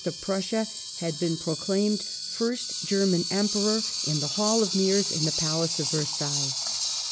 of Prussia had been War proclaimed first German Emperor in the Hall of Mirrors in the Palace of Versailles.